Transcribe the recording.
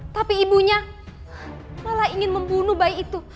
tapi ibunya malah ingin membunuh bayi itu